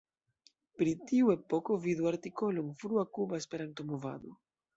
Pri tiu epoko vidu artikolon Frua Kuba Esperanto-movado.